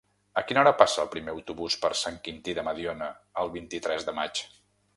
A quina hora passa el primer autobús per Sant Quintí de Mediona el vint-i-tres de maig?